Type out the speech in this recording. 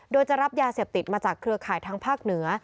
โดยจะรับยาเสพติดมาจากเครือข่ายทางภาคเหนือ